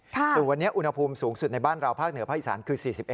ส่วนวันนี้อุณหภูมิสูงสุดในบ้านเราภาคเหนือภาคอีสานคือ๔๑